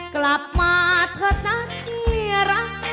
กลับมาเถอะนะที่รัก